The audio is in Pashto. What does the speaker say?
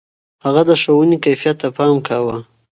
هغه د ښوونې کيفيت ته پام کاوه.